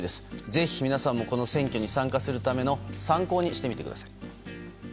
ぜひ皆さんもこの選挙に参加するための参考にしてみてください。